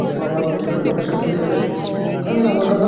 maalumu Tofauti za ufafanuzi huo kama zile kati ya shule ya